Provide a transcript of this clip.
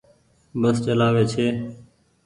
بس چلآوي ڇي۔